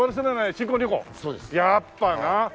やっぱな。